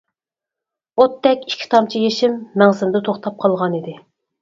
ئوتتەك ئىككى تامچە يېشىم مەڭزىمدە توختاپ قالغانىدى.